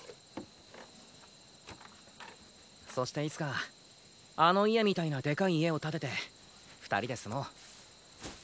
そしていつかあの家みたいなでかい家を建てて２人で住もう。